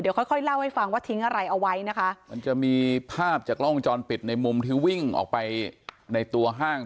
เดี๋ยวค่อยค่อยเล่าให้ฟังว่าทิ้งอะไรเอาไว้นะคะมันจะมีภาพจากกล้องวงจรปิดในมุมที่วิ่งออกไปในตัวห้าง